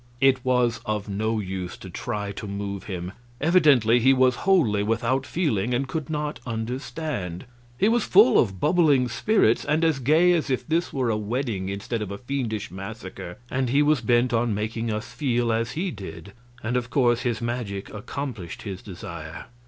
It was of no use to try to move him; evidently he was wholly without feelings, and could not understand. He was full of bubbling spirits, and as gay as if this were a wedding instead of a fiendish massacre. And he was bent on making us feel as he did, and of course his magic accomplished his desire.